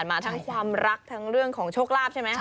มาทั้งความรักทั้งเรื่องของโชคลาภใช่ไหม